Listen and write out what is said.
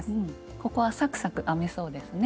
ここはサクサク編めそうですね。